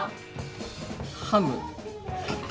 「ハム」。